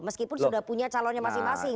meskipun sudah punya calonnya masing masing